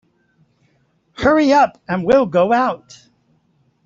Hurry up and we'll go out.